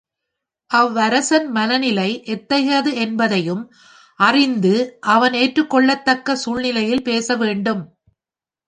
அவ் வரசன் மனநிலை எத்தகையது என்பதையும் அறிந்து அவன் ஏற்றுக்கொள்ளத்தக்க சூழ்நிலையில் பேச வேண்டும்.